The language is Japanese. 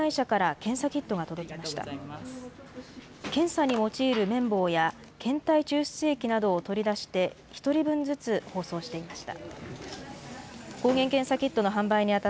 検査に用いる綿棒や、検体抽出液などを取り出して、１人分ずつ包装していました。